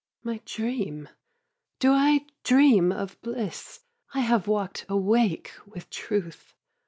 2. My dream? do I dream of bliss? I have walk'd awake with Truth.